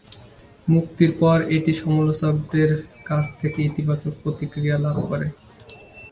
মুক্তির পর এটি সমালোচকদের কাছ থেকে ইতিবাচক প্রতিক্রিয়া লাভ করে।